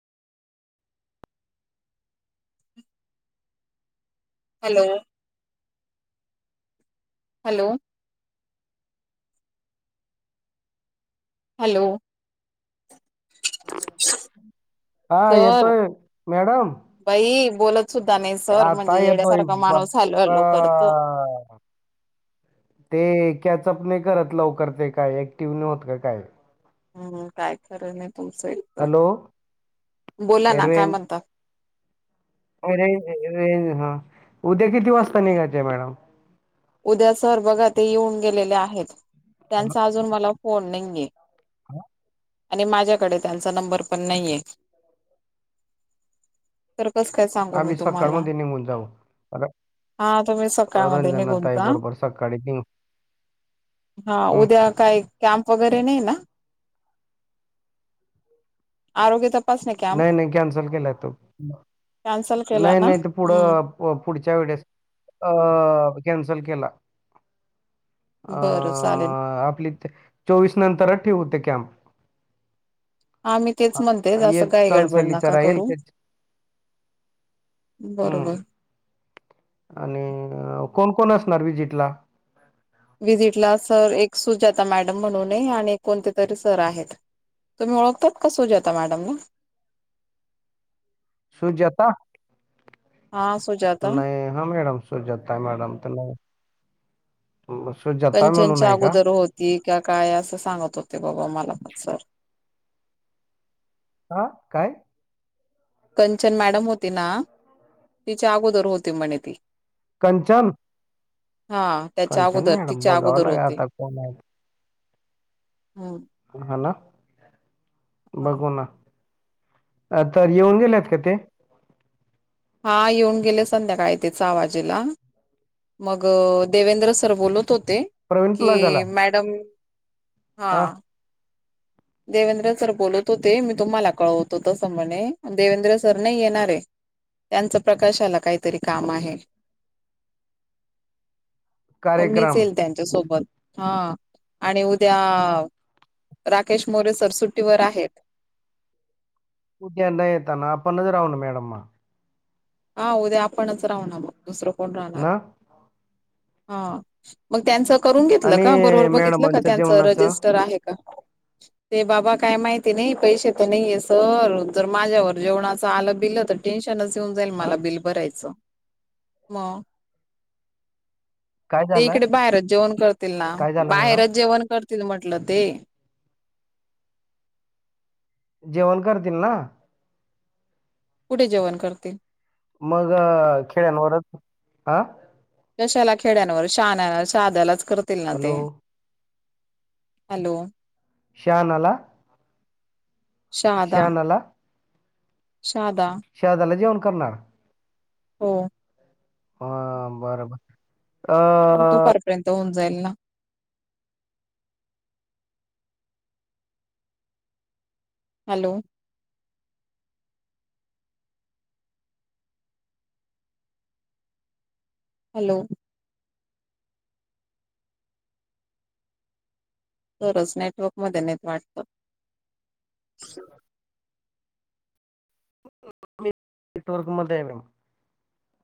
Hello hello hello हा sir येतोय madam बाई बोलत सुद्धा नाहस. आताय येतोय. ब करतो. [unintelligible] ते कॅचअप नाही करत लवकर. ते काय ऍक्टिव्ह नाही होत का काय? हम्म. काय खरं नाही तुमचं एक तर. हॅलो बोला ए, ना काय म्हणतात? रें रेंज हा. उद्या किती वाजता निघायचे मॅडम. उद्या सर बघा ते येऊन गेलेले आहेत. त्यांचा अजून मला फोन नाहीये. आ. आणि माझ्याकडे त्यांचा नंबर पण नाहीये. तर कस काय सांगू मी आम्ही तुम्हाला. सकाळमध्ये निघून जाऊ र- हा तुम्ही सकाळमध्ये रंजना निघून ताई आ. बरोबर सकाळी निघू हा हं. उद्या काय कॅम्प वगैरे नाही ना. आरोग्य तपासणी कॅम्प नाही नाही कॅन्सल केलाय तो. कॅन्सल केला नाही ना? नाही ते हम्म पुढं पुढच्या वेळेस. अ कॅन्सल केला. अ बरं चालेल आपली चोवीस नंतरच ठेवू ते कॅम्प. हा मी तेच म्हणते ह असं एक काही गडबड चांसलीच नका राहील करू. [unintelligible] हं बरोबर. आणि कोण कोण असणार व्हीजीटला. विजिट ला. सर, एक सुजाता मॅडम म्हणूने आणि कोणते तरी सर आहेत. तुम्ही ओळखतात का? सूजता मॅडमला. सुजाता. हा सुजाता नाही ह मॅडम. सुजाताय मॅडम त नाही. सुजाता म्हणून आहे का? ती का काय, असं सांगत होते. बाबा मला पण सर. आ काय? कंचन मॅडम होती ना. तिच्या अगोदर होती म्हणे ती. कंचन. हा. त्याच्या कंचन अगोदर. मॅडम तिच्या बघावं अगोदर लागेल होती. आता कोण आहेत. हम्म. हा ना. बघू ना. अ तर येऊन गेलेत का ते. हा येऊन गेले संध्याकाळी ते. सहा वाजेला. मग देवेंद्र सर बोलत होते. प्रवीण प्लाझाला? कि, मॅडम. हा. हां, देवेंद्र सर बोलत होते. मी तुम्हाला कळवतो तसं म्हणे. देवेंद्र सर नाही येणारे. त्यांचं प्रकाशाला काहीतरी काम आहे. म मीच कार्यक्रम येईल त्यांन च्या सोबत. हा आणि उद्या केेश मोरे सर सुट्टीवर आहेत. उद्याला येताना आपणच राहू ना मॅडम मग. हा उद्या आपणच राहू ना मग, दुसरं कोण राहणार? ना हा. मग त्यांच करून घेतलं आणि का? बरोबर बघितलं का? मॅडमांच्या त्यांच जेवणाचं? रजिस्टर आहे का? ते बाबा काय माहिती नही. पैसे तर नाहीये सर, जर माझ्यावर जेवणाचं आलं बिल त टेन्शनच येऊन जाईल हां, मला बिल भरायचं. म. काय ते झालं? इकडे बाहेरच जेवण करतील ना. काय झालं मॅडम? बाहेरच जेवण कर तिल म्हटलं ते. जेवण करतील ना. कुठे जेवण करतील. मग खेड्यांवरच. आ. कशाला खेड्यांवर. शहाण्याला, हाद्यालाच करतील ना हॅलो ते. हॅलो. श्याहानाला. शहदा शहाणाला शादा शादाला जेवण करणार? हो. हा बरबर अ दुपार पर्यंत होऊन जाईल ना हॅलो हॅलो खरंच नेटवर्क मध्ये नाहीेत वाटतं. मी नेटवर्कमध्ये ए मॅम